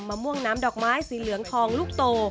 ม่วงน้ำดอกไม้สีเหลืองทองลูกโต